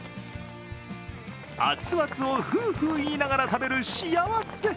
熱々をフーフー言いながら食べる幸せ。